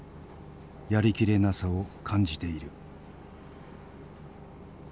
やりきれなさを感じている。